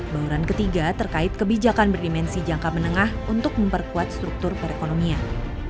bauran ketiga terkait kebijakan berdimensi jangka menengah untuk memperkuat struktur perekonomian